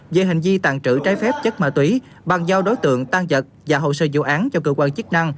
về hành vi tàn trữ trái phép chất ma túy bàn giao đối tượng tàn giật và hồ sơ vụ án cho cơ quan chức năng